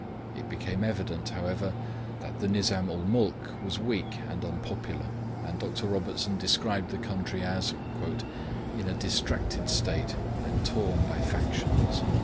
It became evident, however, that the Nizam ul Mulk was weak and unpopular, and Dr. Robertson described the country as 'in a distracted state, and torn by factions.'